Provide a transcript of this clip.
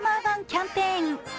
キャンペーン。